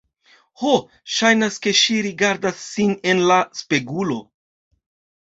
Ho, ŝajnas, ke ŝi rigardas sin en la spegulo